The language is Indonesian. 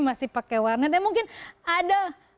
masih pakai warnet ya mungkin ada